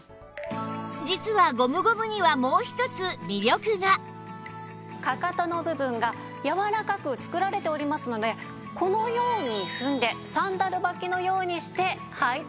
実はゴムゴムにはかかとの部分がやわらかく作られておりますのでこのように踏んでサンダル履きのようにして履いて頂けるんです。